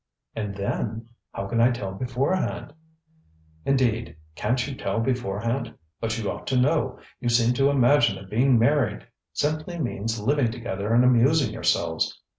ŌĆØ ŌĆ£And then? How can I tell beforehand? ŌĆØ ŌĆ£Indeed, canŌĆÖt you tell beforehand? But you ought to know. You seem to imagine that being married simply means living together and amusing yourselves!